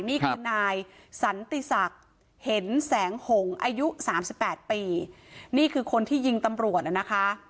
นี่คือนายสันติศักดิ์เห็นแสงหงอายุสามสิบแปดปีนี่คือคนที่ยิงตำรวจนะคะ